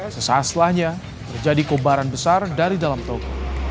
sesaat setelahnya terjadi kobaran besar dari dalam toko